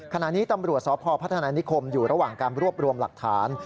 ขณะนี้ตำรวจสพพัฒนานิคมอยู่ระหว่างการรวบรวมหลักฐาน